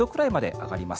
上がります。